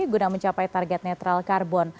guna mencapai target netral karbon